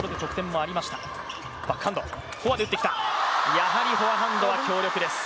やはりフォアハンドは強烈です。